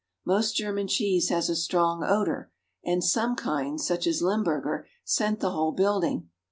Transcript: Most German cheese has a strong odor, and some kinds, such as Limburger, scent the whole build ing.